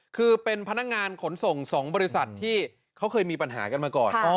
คือเป็นพนักงานขนส่ง๒บริษัทที่เขาเคยมีปัญหากันมาก่อน